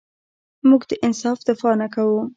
موږ د انصاف دفاع نه کوو.